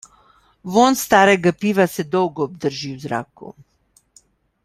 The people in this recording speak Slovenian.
Vonj starega piva se dolgo obdrži v zraku.